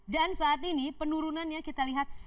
dan saat ini penurunannya kita lihat sangat